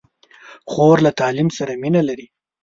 خور له تعلیم سره مینه لري.